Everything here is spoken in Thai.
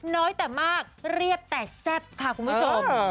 น้อยแต่มากเรียบแต่แซ่บค่ะคุณผู้ชม